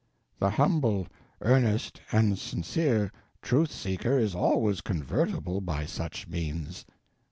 The humble, earnest, and sincere Truth Seeker is always convertible by such means.